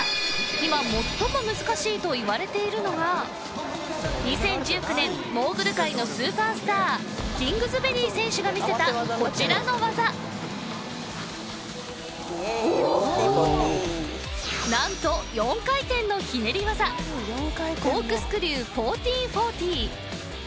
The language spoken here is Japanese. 今最も難しいといわれているのが２０１９年モーグル界のスーパースターキングズベリー選手が見せたこちらの技なんと４回転のひねり技コークスクリュー１４４０